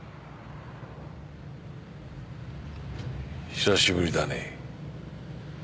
久しぶりだねえ。